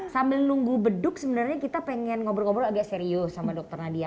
sambil nunggu beduk sebenarnya kita pengen ngobrol ngobrol agak serius sama dokter nadia